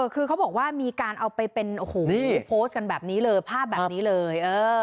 คือเขาบอกว่ามีการเอาไปเป็นโอ้โหโพสต์กันแบบนี้เลยภาพแบบนี้เลย